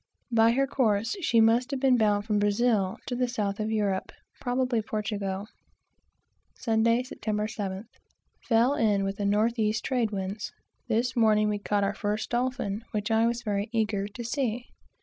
By her course, she must have been bound from Brazil to the south of Europe, probably Portugal. Sunday, Sept. 7th. Fell in with the north east trade winds. This morning we caught our first dolphin, which I was very eager to see.